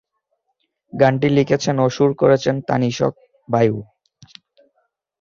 গানটি লিখেছেন ও সুর করেছেন তানিশক-বায়ু।